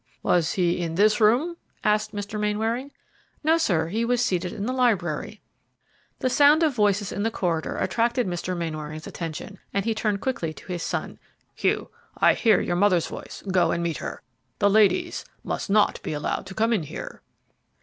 "Was he in this room?" asked Mr. Mainwaring. "No, sir; he was seated in the library." The sound of voices in the corridor attracted Mr. Mainwaring's attention, and he turned quickly to his son, "Hugh, I hear your mother's voice; go and meet her. The ladies must not be allowed to come in here."